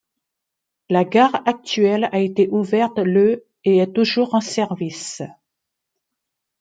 La gare actuelle a été ouverte le et est toujours en service.